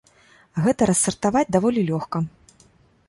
Гэта рассартаваць даволі лёгка.